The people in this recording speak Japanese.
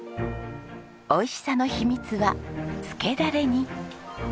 美味しさの秘密はつけダレに。